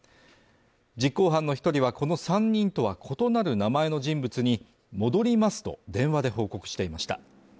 実行犯の一人はこの３人とは異なる名前の人物に戻りますと電話で報告していました